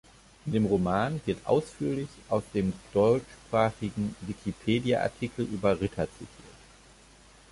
In dem Roman wird ausführlich aus dem deutschsprachigen Wikipedia-Artikel über Ritter zitiert.